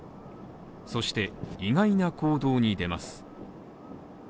そして意外な行動に出ます。